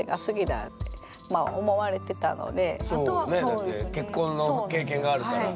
だって結婚の経験があるから。